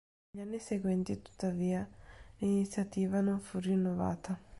Negli anni seguenti, tuttavia, l'iniziativa non fu rinnovata.